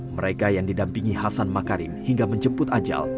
mereka yang didampingi hasan makarim hingga menjemput ajal